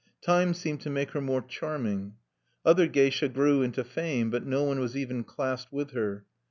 Time seemed to make her more charming. Other geisha grew into fame, but no one was even classed with her.